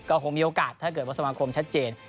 ก็คงมีโอกาสถ้าเกิดว่าสมาคมชัดเจน